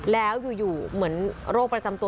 แล้วอยู่เหมือนโรคประจำตัว